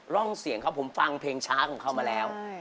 ร่องเสียงเขาผมฟังเพลงช้าของเขามาแล้ว